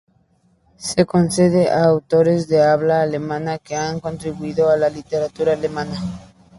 Se concede a autores de habla alemana que han contribuido a la literatura alemana.